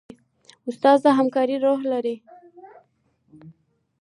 استاد د همکارۍ روح لري.